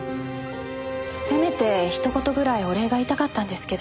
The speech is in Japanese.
せめてひと言ぐらいお礼が言いたかったんですけど。